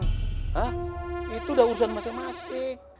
hah itu udah urusan masing masing